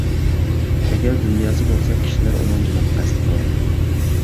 ئەگەر دۇنياسى بولسا، كىشىلەر ئۇنىڭ جېنىغا قەست قىلىدۇ.